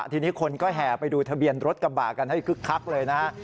ทีนี้คนก็แห่ไปดูทะเบียนรถกระบะกันให้คึกคักเลยนะฮะ